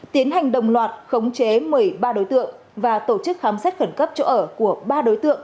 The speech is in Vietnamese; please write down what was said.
tiến hành đồng loạt khống chế một mươi ba đối tượng và tổ chức khám xét khẩn cấp chỗ ở của ba đối tượng